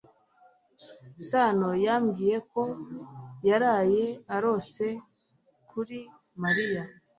sano yambwiye ko yaraye arose kuri mariya